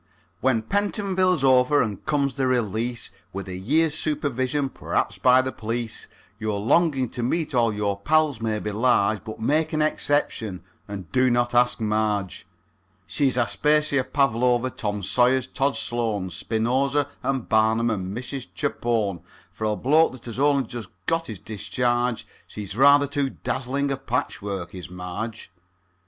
When Pentonville's over and comes the release, With a year's supervision perhaps by the p'lice, Your longing to meet all your pals may be large, But make an exception, and do not ask Marge. She's Aspasia, Pavlova, Tom Sayers, Tod Sloan, Spinoza, and Barnum, and Mrs. Chapone; For a bloke that has only just got his discharge, She's rather too dazzling a patchwork, is Marge.